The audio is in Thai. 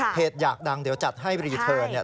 เพจอยากดังเดี๋ยวจัดให้รีเทิร์น